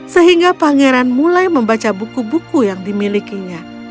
sehingga pangeran mulai membaca buku buku yang dimilikinya